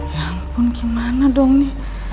ya ampun gimana dong nih